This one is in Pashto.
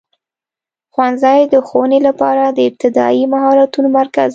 ښوونځی د ښوونې لپاره د ابتدایي مهارتونو مرکز دی.